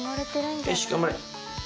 よし頑張れ。